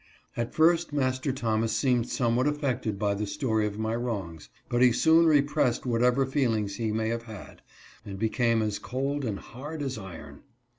At first Master Thomas seemed somewhat affected by the story of my wrongs, but he soon repressed what ever feeling he may have had, and became as cold and hard as iron.